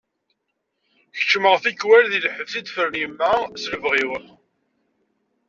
Keččmeɣ tikwal deg lḥebs iyi-d-tefren yemma s lebɣi-w.